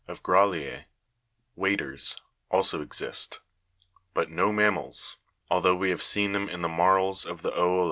of gra'lleas (waders)also exist, but no mammals, although we have seen them in the marls of the o'olite (Jigs.